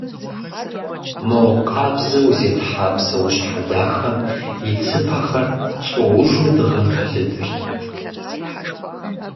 Мо къабзэу зетхьэ псэущхьэ дахэм и цыпэхэр цӀуужу дыгъэм пэлыдырт.